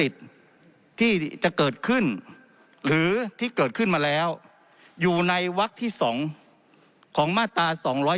ที่จะเกิดขึ้นหรือที่เกิดขึ้นมาแล้วอยู่ในวักที่๒ของมาตรา๒๗